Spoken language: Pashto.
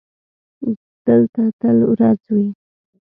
دلته تل ورځ وي.